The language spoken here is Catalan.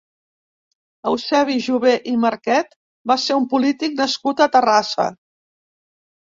Eusebi Jover i Marquet va ser un polític nascut a Terrassa.